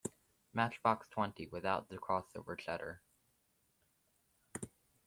Matchbox Twenty without the cross over-cheddar.